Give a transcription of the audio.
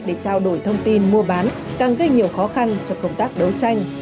để trao đổi thông tin mua bán càng gây nhiều khó khăn cho công tác đấu tranh